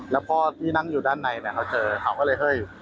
แล้วพ่อที่นั่งอยู่ด้านในเขาเจอเขาก็เลยเฮ้ย